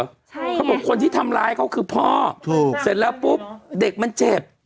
เขาบอกคนที่ทำร้ายเขาคือพ่อถูกเสร็จแล้วปุ๊บเด็กมันเจ็บ